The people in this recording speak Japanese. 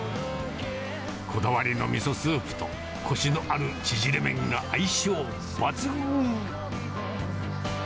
こだわりのミソスープと、こしのある縮れ麺が相性抜群。